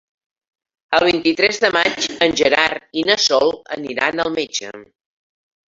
El vint-i-tres de maig en Gerard i na Sol aniran al metge.